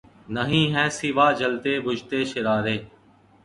نہیں ھیں سوا جلتے بجھتے شرارے